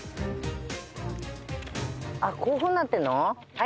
あっこういうふうになってんの？